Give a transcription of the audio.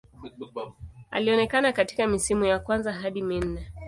Alionekana katika misimu ya kwanza hadi minne.